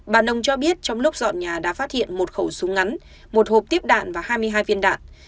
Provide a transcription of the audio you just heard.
bà nông cho biết trong lúc dọn nhà đã phát hiện một khẩu súng ngắn một hộp tiếp đạn và hai mươi hai viên đạn